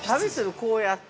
こうやって？